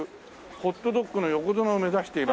ホットドッグの横綱を目指してます！」